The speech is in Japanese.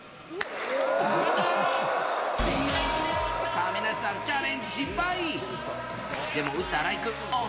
亀梨さん、チャレンジ失敗。